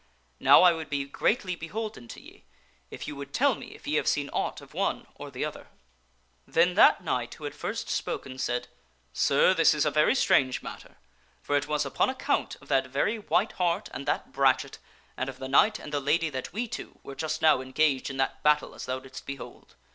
Now I would be greatly beholden to ye if you would tell me if ye have seen aught of one or the other." Then that knight who had first spoken said, " Sir, this is a very strange matter, for it was upon account of that very white hart and that brachet, One of the an< ^^^ G knight and the lady that we two were just now en knights tells gaged in that battle as thou didst behold.